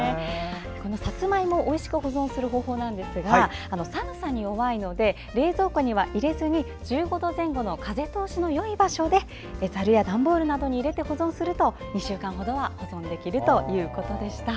さつまいもをおいしく保存する方法なんですが寒さに弱いので冷蔵庫には入れずに１５度前後の風通しのよい場所でざるや段ボールなどに入れて保存すると２週間程は保存できるということでした。